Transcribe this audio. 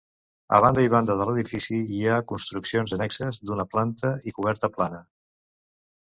A banda i banda de l'edifici hi ha construccions annexes, d'una planta i coberta plana.